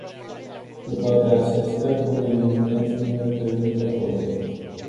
Cu toate acestea, bunele intenții nu reprezintă totul.